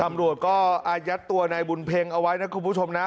ตำรวจก็อายัดตัวนายบุญเพ็งเอาไว้นะคุณผู้ชมนะ